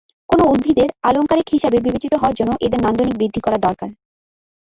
কোনো উদ্ভিদের আলংকারিক হিসাবে বিবেচিত হওয়ার জন্য এদের নান্দনিক বৃদ্ধি করা দরকার।